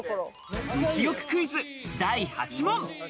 物欲クイズ第８問。